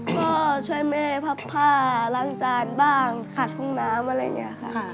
ก็ช่วยแม่พับผ้าล้างจานบ้างขัดห้องน้ำอะไรอย่างนี้ค่ะ